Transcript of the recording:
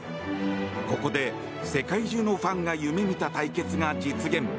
ここで世界中のファンが夢見た対決が実現。